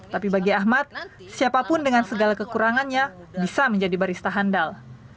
tapi bagi ahmad siapapun dengan segala kekurangannya bisa menjadi barista handal